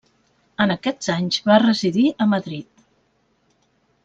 En aquests anys va residir a Madrid.